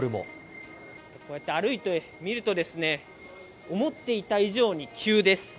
こうやって歩いてみると、思っていた以上に急です。